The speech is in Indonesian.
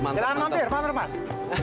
silahkan mampir pak hermas